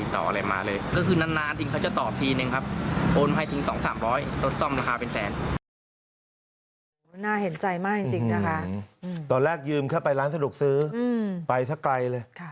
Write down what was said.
ตอนแรกยืมเข้าไปร้านสะดวกซื้อไปเท่าไหร่เลย